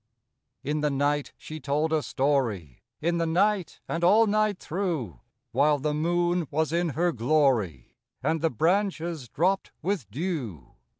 T N the night she told a story, In the night and all night through, While the moon was in her glory, And the branches dropped with dew.